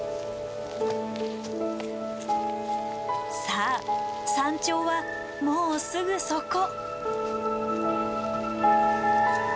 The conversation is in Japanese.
さあ山頂はもうすぐそこ。